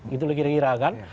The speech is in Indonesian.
gitu loh kira kira kan